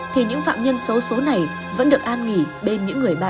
thì những phạm nhân xấu xố này vẫn được an nghỉ bên những người bạn